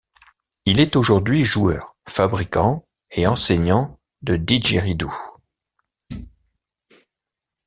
Il est aujourd'hui joueur, fabricant et enseignant de didgeridoo.